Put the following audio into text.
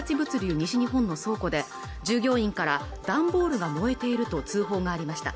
西日本の倉庫で従業員から段ボールが燃えていると通報がありました